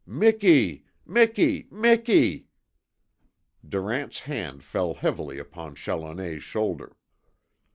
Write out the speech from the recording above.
"Miki Miki Miki!" Durant's hand fell heavily upon Challoner's shoulder.